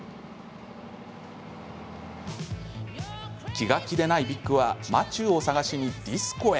気が気でないビックはマチューを探しにディスコへ。